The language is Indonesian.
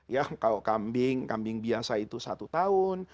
ya kalau kambing kambing biasa itu satu tahun